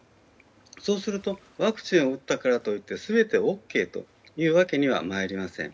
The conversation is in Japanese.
そうするとワクチンを打ったからといって全てＯＫというわけには参りません。